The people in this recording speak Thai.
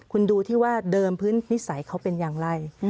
คุณดูที่ว่าเดิมพื้นนิสัยเขาเป็นอย่างไร